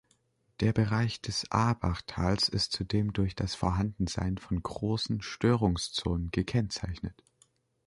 Der Bereich des Aabach-Tals ist zudem durch das Vorhandensein von großen Störungszonen gekennzeichnet.